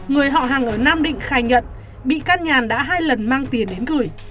người họ hàng ở nam định khai nhận bị can nhàn đã hai lần mang tiền đến gửi